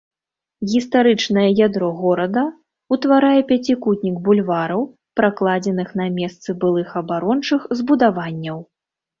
Гістарычнае ядро горада ўтварае пяцікутнік бульвараў, пракладзеных на месцы былых абарончых збудаванняў.